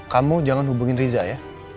kamu jangan hubungin riza ya